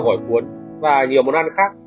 xào gỏi cuốn và nhiều món ăn khác